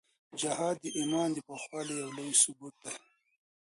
جهاد د ایمان د پخوالي یو لوی ثبوت دی.